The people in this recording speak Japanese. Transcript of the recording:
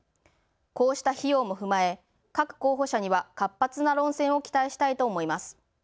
こうした費用も踏まえ各候補者には活発な論戦を期待したいと思います。